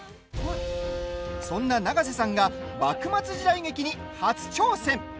そんな永瀬さんが幕末時代劇に初挑戦。